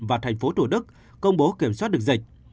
và thành phố thủ đức công bố kiểm soát được dịch